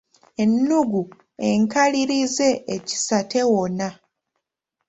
Ennungu enkalirize ekisa tewona.